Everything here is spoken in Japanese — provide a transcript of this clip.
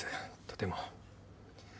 とても。